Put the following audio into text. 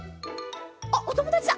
あっおともだちだ。